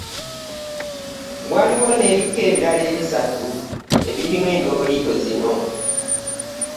Waliwo n'ebika ebirala bisatu ebirimu endooliito zino